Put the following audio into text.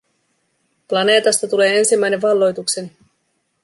Planeetasta tulee ensimmäinen valloitukseni.